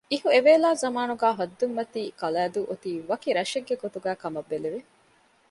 އިހު އެވޭލާ ޒަމާނުގައި ހައްދުންމަތީ ކަލައިދޫ އޮތީ ވަކި ރަށެއްގެ ގޮތުގައިކަމަށް ބެލެވެ